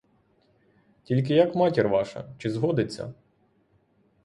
Тільки як матір ваша — чи згодиться?